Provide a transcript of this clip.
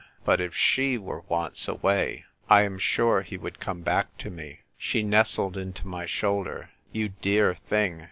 But if she were once away, I am sure he would come back to me." She nestled into my shoulder. "You dear thing